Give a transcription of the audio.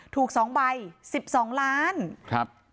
ถูก๒ใบ๑๒ล้านครับ